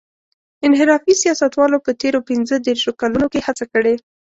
انحرافي سیاستوالو په تېرو پينځه دېرشو کلونو کې هڅه کړې.